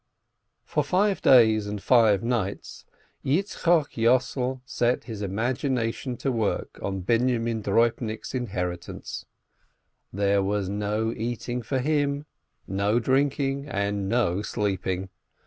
For five days and five nights Yitzchok Yossel set his imagination to work on Binyomin Droibnik's inherit ance. There was no eating for him, no drinking, and no sleeping.